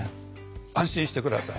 安心して下さい。